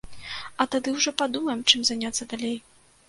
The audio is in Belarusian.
А тады ўжо падумаем, чым заняцца далей.